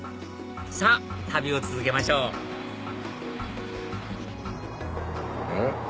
さぁ旅を続けましょううん？